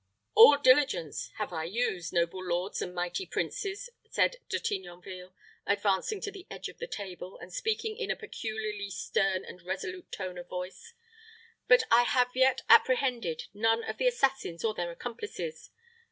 "All diligence have I used, noble lords and mighty princes," said De Tignonville, advancing to the edge of the table, and speaking in a peculiarly stern and resolute tone of voice; "but I have yet apprehended none of the assassins or their accomplices.